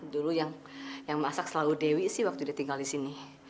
dulu yang masak selalu dewi sih waktu dia tinggal di sini